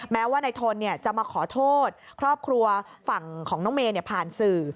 แม้ว่านายทนจะมาขอโทษครอบครัวฝั่งของน้องเมย์ผ่านสื่อ